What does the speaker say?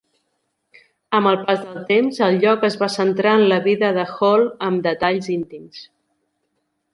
Amb el pas del temps, el lloc es va centrar en la vida de Hall amb detalls íntims.